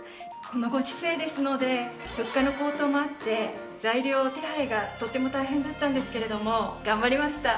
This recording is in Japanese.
このご時世ですので物価の高騰もあって材料の手配がとても大変だったんですけれども頑張りました。